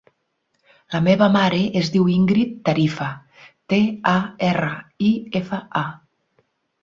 La meva mare es diu Íngrid Tarifa: te, a, erra, i, efa, a.